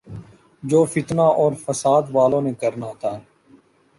جو فتنہ اورفسادوالوں نے کرنا تھا۔